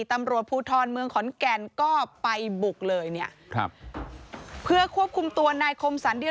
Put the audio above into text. ตำรวจภูทรเมืองขอนแก่นก็ไปบุกเลยเนี่ยครับเพื่อควบคุมตัวนายคมสรรเดีย